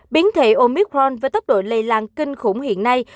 biến thể omicron với tốc độ lây lan kinh khủng hiện nay